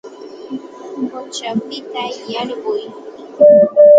Quchapita yarquy